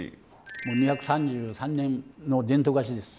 もう２３３年の伝統菓子です。